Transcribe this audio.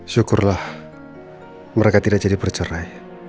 syukurlah mereka tidak jadi bercerai